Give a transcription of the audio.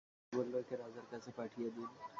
দূত বলল, একে রাজার কাছে পাঠিয়ে দিন।